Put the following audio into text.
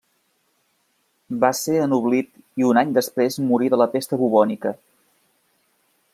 Va ser ennoblit i un any després morí de la pesta bubònica.